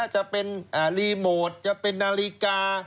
จะเป็นรีโมทจะเป็นนาฬิกา